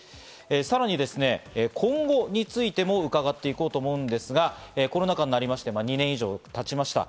さらに今後についても伺って行こうと思うんですが、コロナ禍になりまして、２年以上経ちました。